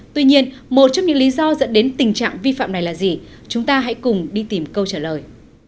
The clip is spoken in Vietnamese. tuy nhiên một trong những lý do dẫn đến tình trạng vi phạm này là gì chúng ta hãy cùng đi tìm câu trả lời